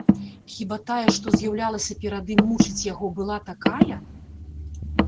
Хіба тая, што з'яўлялася перад ім мучыць яго, была такая?